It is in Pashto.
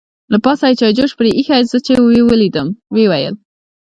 له پاسه یې چای جوش پرې اېښې وه، زه چې یې ولیدم ویې ویل.